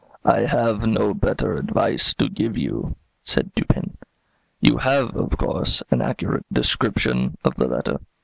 "I have no better advice to give you," said Dupin. "You have, of course, an accurate description of the letter?"